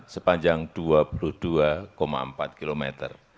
sepanjang dua puluh dua empat km